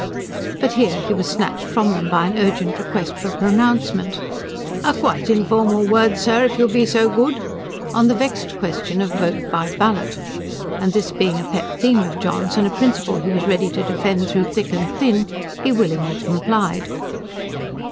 But here he was snatched from them by an urgent request for a pronouncement "A quite informal word, sir, if you'll be so good," on the vexed question of vote by ballot. And this being a pet theme of John's, and a principle he was ready to defend through thick and thin, he willingly complied.